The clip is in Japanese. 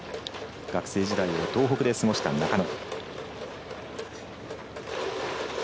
学生時代を東北で過ごした中野。